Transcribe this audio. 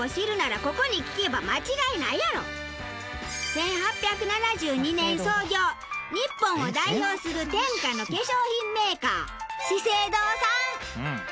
１８７２年創業日本を代表する天下の化粧品メーカー資生堂さん。